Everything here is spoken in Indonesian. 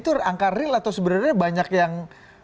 itu angka real atau sebenarnya banyak yang